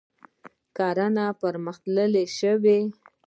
کرنه پرمختللې شوې.